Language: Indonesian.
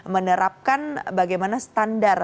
menerapkan bagaimana standar